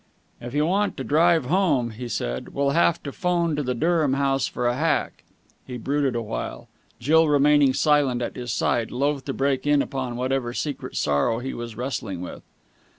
"If you want to drive home," he said, "we'll have to 'phone to the Durham House for a hack." He brooded a while, Jill remaining silent at his side, loath to break in upon whatever secret sorrow he was wrestling with.